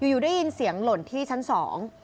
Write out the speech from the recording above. อยู่อยู่ได้ยินเสียงหล่นที่ชั้นสอง